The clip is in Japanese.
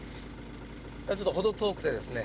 ちょっと程遠くてですね